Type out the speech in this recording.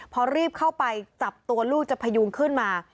พอรีบเข้าไปจับตัวลูกจะพยุงขึ้นมา